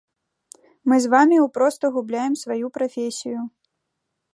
Мы з вамі ў проста губляем сваю прафесію.